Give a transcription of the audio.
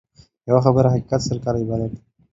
يوه خبره حقيقت ، سل کاله عبادت.